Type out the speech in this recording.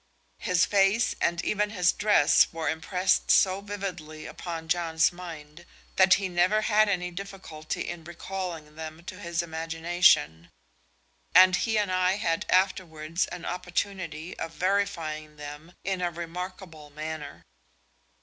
His face and even his dress were impressed so vividly upon John's mind, that he never had any difficulty in recalling them to his imagination; and he and I had afterwards an opportunity of verifying them in a remarkable manner.